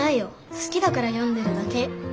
好きだから読んでるだけ。